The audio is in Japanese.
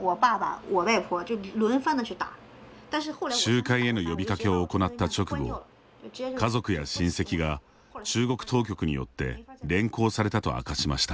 集会への呼びかけを行った直後家族や親戚が中国当局によって連行されたと明かしました。